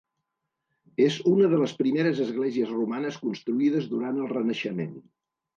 És una de les primeres esglésies romanes construïdes durant el Renaixement.